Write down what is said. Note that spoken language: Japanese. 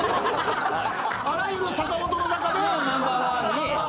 あらゆる坂本の中でナンバーワン。